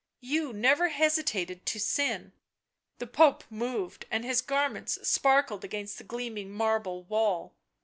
" You never hesitated to sin." The Pope moved, and his garments sparkled against the gleaming marble wall.